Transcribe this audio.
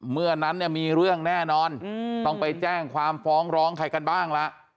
เมื่อนั้นเนี่ยมีเรื่องแน่นอนต้องไปแจ้งความฟ้องร้องใครกันบ้างล่ะ